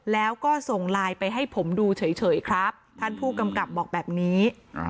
แล้วก็ส่งไลน์ไปให้ผมดูเฉยครับท่านผู้กำกับบอกแบบนี้